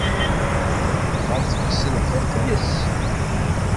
tebɣa ad tekkes lxiq yes-s